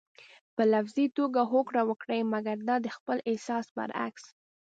په لفظي توګه هوکړه وکړئ مګر د خپل احساس برعکس.